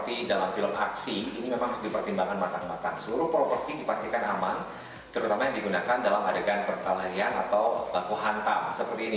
yang dipastikan aman terutama yang digunakan dalam adegan pertahalian atau baku hantam seperti ini